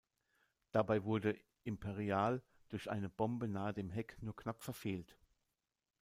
Dabei wurde "Imperial" durch eine Bombe nahe dem Heck nur knapp verfehlt.